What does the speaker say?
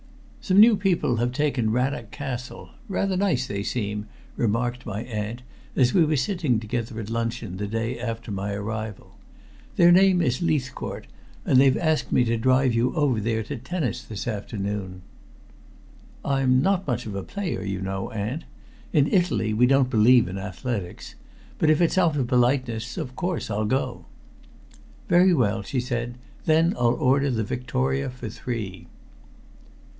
"Some new people have taken Rannoch Castle. Rather nice they seem," remarked my aunt as we were sitting together at luncheon the day after my arrival. "Their name is Leithcourt, and they've asked me to drive you over there to tennis this afternoon." "I'm not much of a player, you know, aunt. In Italy we don't believe in athletics. But if it's out of politeness, of course, I'll go." "Very well," she said. "Then I'll order the victoria for three."